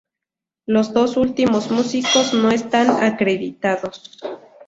Los dos últimos músicos no están acreditados.